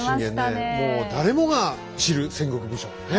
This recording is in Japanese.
もう誰もが知る戦国武将ねえ。